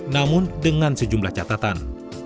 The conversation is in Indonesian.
namun dengan sejumlah catatan